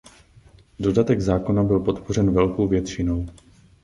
Dodatek zákona byl podpořen velkou většinou.